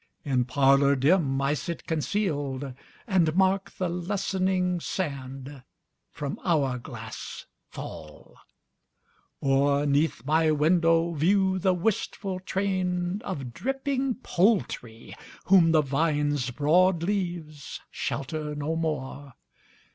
In parlour dim I sit concealed, And mark the lessening sand from hour glass fall; Or 'neath my window view the wistful train Of dripping poultry, whom the vine's broad leaves Shelter no more.